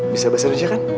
bisa bebas raja kan